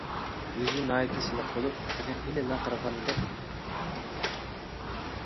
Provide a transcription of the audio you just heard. يۈزى ناھايىتى سىيلىق بولۇپ، تېخى ھېلىلا قىرغاندەك كۆرۈنەتتى.